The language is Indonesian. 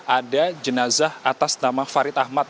ada jenazah atas nama farid ahmad